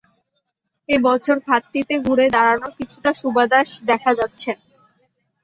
এ বছর খাতটিতে ঘুরে দাঁড়ানোর কিছুটা সুবাতাস দেখা যাচ্ছে।